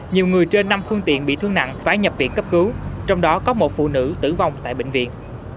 nhiều người trên năm phương tiện bị thương nặng phải nhập viện cấp cứu trong đó có một phụ nữ tử vong tại bệnh viện